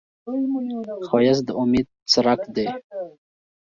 ښایست د امید څرک دی